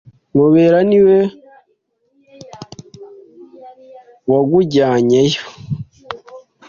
Mubera niwe wagujyanyeyo?